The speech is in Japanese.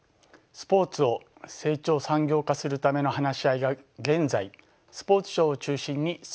スポーツを成長産業化するための話し合いが現在スポーツ庁を中心に進められています。